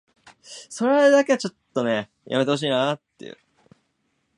突き当たりの狭い通路の先の中庭を目指して進んだ